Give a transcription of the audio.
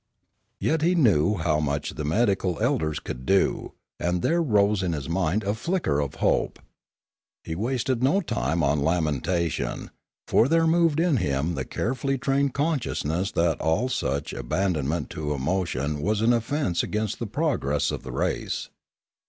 Yet he knew how much the medical elders could do, and there arose in his mind a flicker of hope. He wasted no time on lamentation, for there moved in him the carefully trained consciousness that all such aban donment to emotion was an offence against the progress of the race.